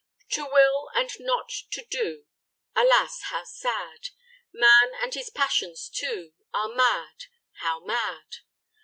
To will and not to do, Alas! how sad! Man and his passions too Are mad how mad!